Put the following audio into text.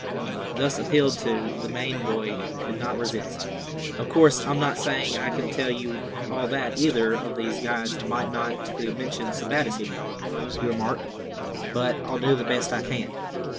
Thus appealed to, the Maine boy could not resist. "Of course I'm not saying I can tell you all that either of these guides might—not to mention Sebattis here," he remarked, "but I'll do the best I can."